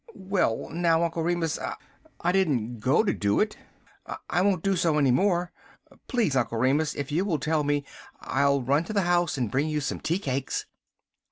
"Well, now, Uncle Remus, I didn't go to do it. I won't do so any more. Please, Uncle Remus, if you will tell me, I'll run to the house and bring you some tea cakes."